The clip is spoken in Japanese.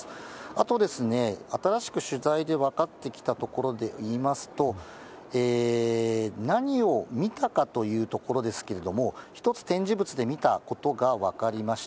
あと、新しく取材で分かってきたところでいいますと、何を見たかというところですけれども、１つ展示物で見たことが分かりまし